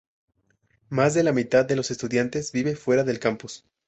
Más de la mitad de los estudiantes vive fuera del campus.